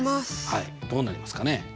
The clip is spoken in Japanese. どうなりますかね？